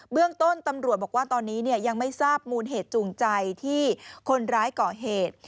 เรื่องต้นตำรวจบอกว่าตอนนี้ยังไม่ทราบมูลเหตุจูงใจที่คนร้ายก่อเหตุ